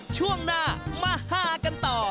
ช่วงหน้ามาฮากันต่อ